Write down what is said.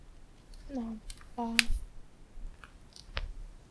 纳喇氏生下儿子巴雅喇。